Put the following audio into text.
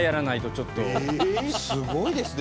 すごいですね